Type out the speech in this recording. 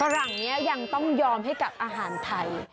หลังนี้ยังต้องยอมให้กับอาหารไทย